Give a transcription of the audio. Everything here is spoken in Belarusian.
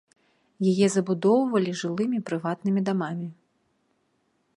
Яе забудоўвалі жылымі прыватнымі дамамі.